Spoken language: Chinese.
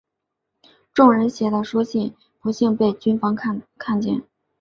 众人写的书信不幸被军方看见。